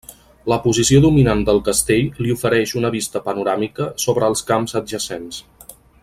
La posició dominant del castell li ofereix una vista panoràmica sobre els camps adjacents.